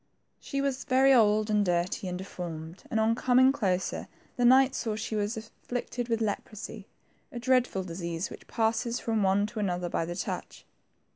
She was THE TWO PRINCES. 81 very old and dirty and deformed, and on coming closer, the knights saw she was afflicted with leprosy, a dreadful disease which passes from one to another by the touch.